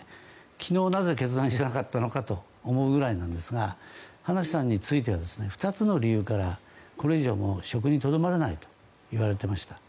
昨日なぜ決断しなかったのかと思うぐらいなんですが葉梨さんついては２つの理由からこれ以上、職にとどまらないと言われていました。